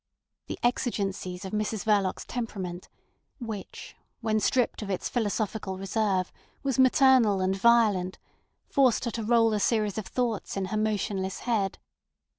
The exigencies of Mrs Verloc's temperament, which, when stripped of its philosophical reserve, was maternal and violent, forced her to roll a series of thoughts in her motionless head.